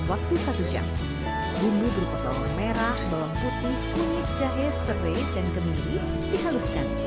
waktu satu jam bumbu berupa bawang merah bawang putih kunyit jahe serai dan kemiri dihaluskan